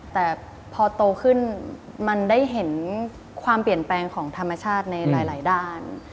แต่พอโตขึ้นมันได้เห็นความเปลี่ยนแปลงของธรรมชาติในหลายด้าน